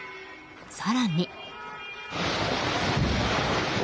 更に。